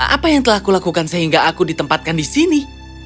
apa yang telah kulakukan sehingga aku ditempatkan di sini